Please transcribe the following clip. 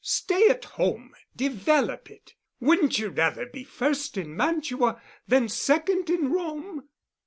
Stay at home, develop it. Wouldn't you rather be first in Mantua than second in Rome?"